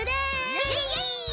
イエイイエイ！